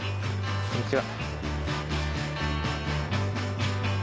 こんにちは。